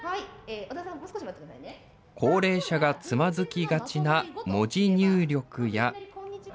高齢者がつまずきがちな文字入力や。